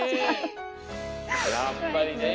やっぱりね。